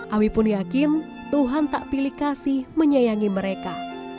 awi pun yakin tuhan tak pilih kasih menyayangi mereka